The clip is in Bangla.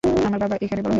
আমার বাবা এখানে বড় হয়েছে।